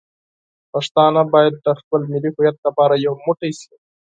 پښتانه باید د خپل ملي هویت لپاره یو موټی شي.